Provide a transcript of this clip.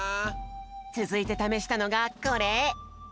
つづいてためしたのがこれ！